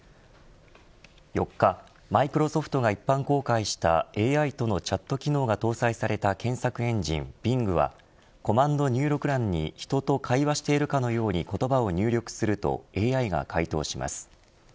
４日マイクロソフトが一般公開したＡＩとのチャット機能が搭載された検索エンジンＢｉｎｇはコマンド入力欄に、人と会話しているかのように言葉を入力するとＡＩが回答します。